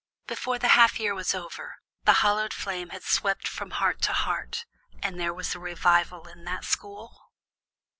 Before the half year was over, the hallowed flame had swept from heart to heart, and there was a revival in that school."